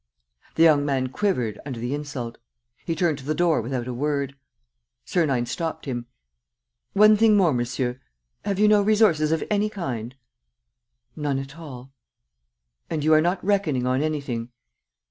The young man quivered under the insult. He turned to the door without a word. Sernine stopped him: "One thing more, monsieur. Have you no resources of any kind?" "None at all." "And you are not reckoning on anything?"